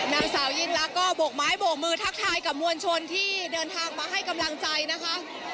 นางสาวยิ่งลักษณ์ก็โบกไม้โบกมือทักทายกับมวลชนที่เดินทางมาให้กำลังใจนะคะ